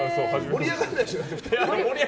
盛り上がらないでしょ、２人で。